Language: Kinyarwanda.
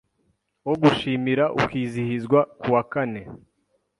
wo gushimira, ukizihizwa kuwa kane,